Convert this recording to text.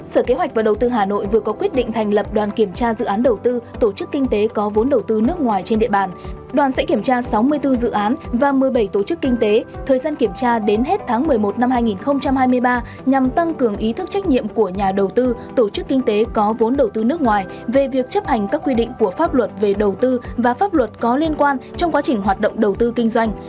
sở kế hoạch và đầu tư hà nội vừa có quyết định thành lập đoàn kiểm tra dự án đầu tư tổ chức kinh tế có vốn đầu tư nước ngoài trên địa bàn đoàn sẽ kiểm tra sáu mươi bốn dự án và một mươi bảy tổ chức kinh tế thời gian kiểm tra đến hết tháng một mươi một năm hai nghìn hai mươi ba nhằm tăng cường ý thức trách nhiệm của nhà đầu tư tổ chức kinh tế có vốn đầu tư nước ngoài về việc chấp hành các quy định của pháp luật về đầu tư và pháp luật có liên quan trong quá trình hoạt động đầu tư kinh doanh